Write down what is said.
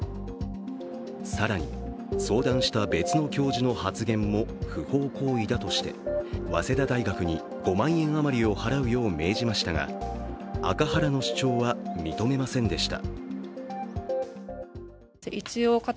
更に、相談した別の教授の発言も不法行為だとして、早稲田大学に５万円余りを払うよう命じましたがアカハラの主張は認めませんでした。